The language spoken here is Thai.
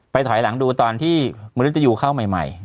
ไปถอยหลังดูตอนที่มหัวฤทยูเข้าใหม่